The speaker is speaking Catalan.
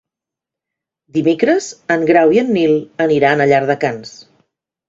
Dimecres en Grau i en Nil aniran a Llardecans.